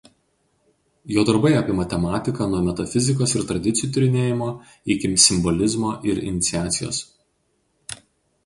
Jo darbai apima tematiką nuo metafizikos ir tradicijų tyrinėjimo iki simbolizmo ir iniciacijos.